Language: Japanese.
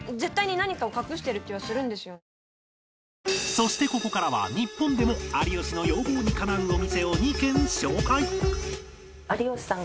そしてここからは日本でも有吉の要望にかなうお店を２軒紹介